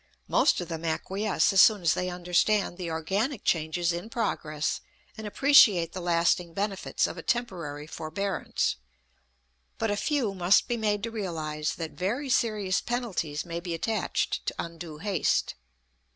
Most of them acquiesce as soon as they understand the organic changes in progress and appreciate the lasting benefits of a temporary forbearance, but a few must be made to realize that very serious penalties may be attached to undue haste.